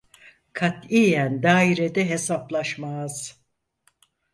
Katiyen dairede hesaplaşmaz.